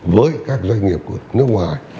với các doanh nghiệp của nước ngoài